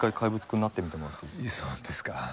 そうですか？